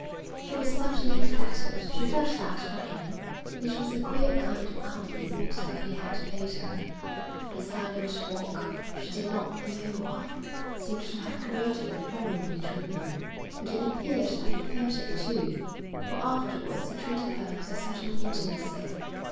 She was subtly flattered. She felt that, for him, it was a queer kind of compliment that he had paid her. Their silent walk, she did not know why, seemed to have created a bond between them; and it appeared that he felt it, too, for afterwards he treated her with a certain intimacy.